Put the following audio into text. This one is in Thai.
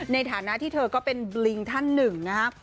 ในฐานะที่เธอก็เป็นบลิงท่านหนึ่งนะครับ